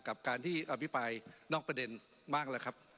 กับการที่อภิปรายนอกประเด็นมากแล้วครับ